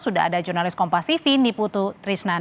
sudah ada jurnalis kompasivi niputu trisna